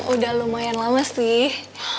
udah lumayan lama sih